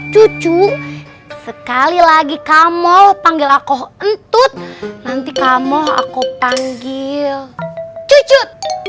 cucu sekali lagi kamu panggil aku entut nanti kamu aku panggil cucut